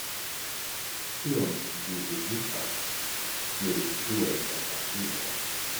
Kion ĝi signifas? diris plue mia patrino.